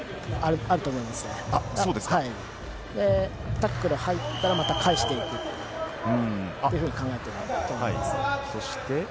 タックル入ったらまた返してというふうに考えてると思います。